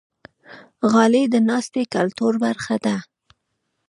غالۍ د ناستې کلتور برخه ده.